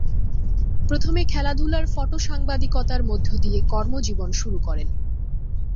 প্রথমে খেলাধুলার ফটো সাংবাদিকতার মধ্য দিয়ে কর্ম জীবন শুরু করেন।